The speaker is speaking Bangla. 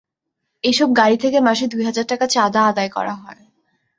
এসব গাড়ি থেকে মাসে দুই হাজার টাকা চাঁদা আদায় করা হয়।